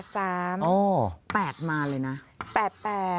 ครับ